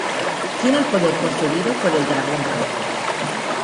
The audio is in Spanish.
Tiene el poder concedido por el Dragón Rojo.